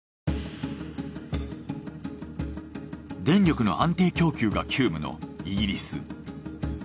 電力の安定供給が急務のイギリス。